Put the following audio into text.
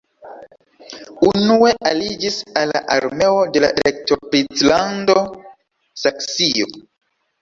Unue aliĝis al la armeo de la Elektoprinclando Saksio.